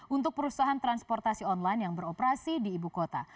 untuk perusahaan transportasi online yang beroperasi di ibu kota